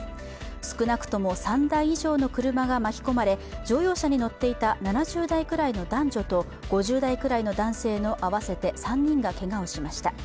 少なくとも３台以上の車が巻き込まれ乗用車に乗っていた７０代くらいの男女と５０代くらいの男性の合わせて３人がけがをしました。